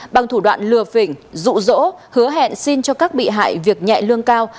bằng thủ đoạn lừa phỉnh rụ rỗ hứa hẹn xin cho các bị hại việc nhẹ lương cao